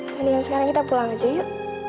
mendingan sekarang kita pulang aja yuk